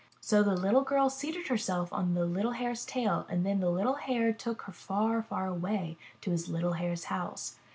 So the little girl seated herself on the little Hare's tail and then the little Hare took her far, far away to his little Hare's house.